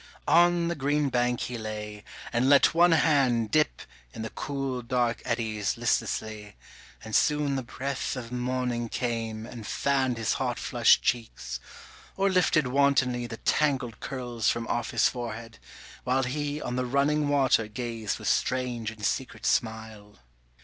On the green bank he lay, and let one hand Dip in the cool dark eddies listlessly, And soon the breath of morning came and fanned His hot flushed cheeks, or lifted wantonly The tangled curls from off his forehead, while He on the running water gazed with strange and secret smile.